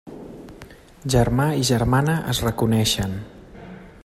Germà i germana es reconeixen.